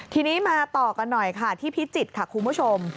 ทีนี้มาต่อกันหน่อยค่ะที่พิจิตรค่ะคุณผู้ชม